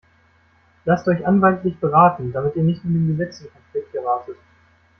Lasst euch anwaltlich beraten, damit ihr nicht mit dem Gesetz in Konflikt geratet.